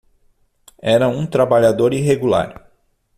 Era um trabalhador irregular